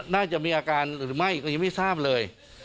น่าจะมีอาการหรือไม่ก็ยังไม่ทราบเลย